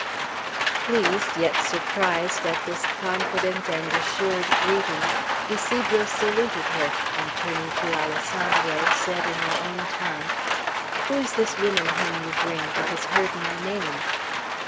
Pleased, yet surprised, at this confident and assured greeting, Ysidro saluted her, and turning to Alessandro, said in their own tongue, "Who is this woman whom you bring, that has heard my name?"